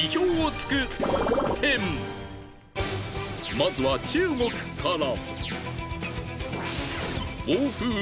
まずは中国から。